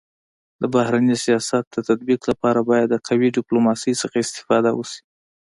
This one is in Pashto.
د بهرني سیاست د تطبيق لپاره باید د قوي ډيپلوماسی څخه استفاده وسي.